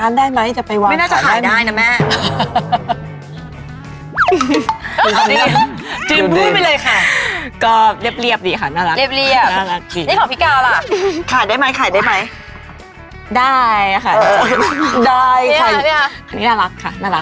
อันนี้น่ารักค่ะน่ารัก